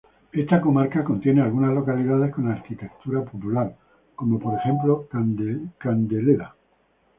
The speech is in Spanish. Esta comarca contiene algunas localidades con arquitectura popular, como por ejemplo, Candeleda.